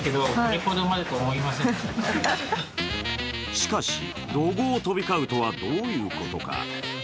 しかし、怒号飛び交うとはどういうことか。